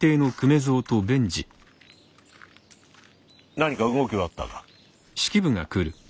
何か動きはあったか？